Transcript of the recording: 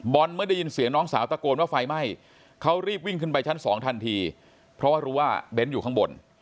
เมื่อได้ยินเสียงน้องสาวตะโกนว่าไฟไหม้เขารีบวิ่งขึ้นไปชั้นสองทันทีเพราะว่ารู้ว่าเบ้นอยู่ข้างบน